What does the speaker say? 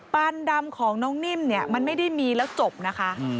ปานดำของน้องนิ่มมันไม่ได้มีแล้วจบนะคะ